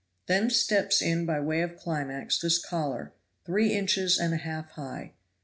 Then steps in by way of climax this collar, three inches and a half high.